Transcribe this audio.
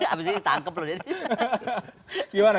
abis ini ditangkep loh dia